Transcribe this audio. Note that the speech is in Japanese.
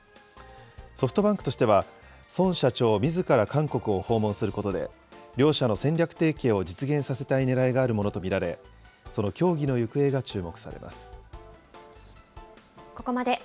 ソフトバンクとしては、孫社長みずから韓国を訪問することで、両社の戦略提携を実現させたいねらいがあるものと見られ、その協議の行方が注目されます。